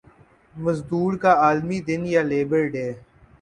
مزدور کا عالمی دن یا لیبر ڈے